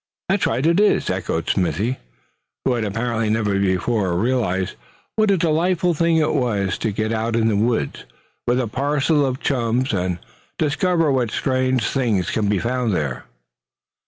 "That's right, it is," echoed Smithy, who had apparently never before realized what a delightful thing it was to get out in the woods with a parcel of chums, and discover what strange things can be found there.